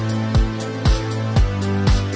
อ่า